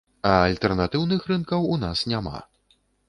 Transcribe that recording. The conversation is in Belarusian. А альтэрнатыўных рынкаў у нас няма.